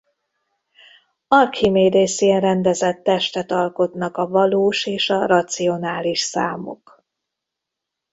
Arkhimédészien rendezett testet alkotnak a valós és a racionális számok.